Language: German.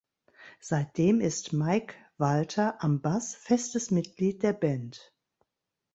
Seitdem ist Maik Walter am Bass festes Mitglied der Band.